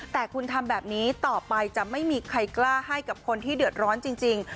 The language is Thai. แต่คุณทำแบบนี้ต่อไปจะไม่มีใครกล้าให้กับคนที่เดือดร้อนจริง